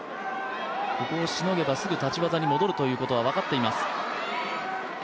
ここをしのげば、すぐに立ち技に戻るということは分かっています。